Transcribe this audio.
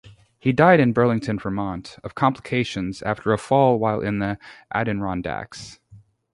He died in Burlington, Vermont, of complications after a fall while in the Adirondacks.